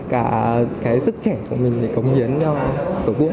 cả cái sức trẻ của mình để cống hiến cho tổ quốc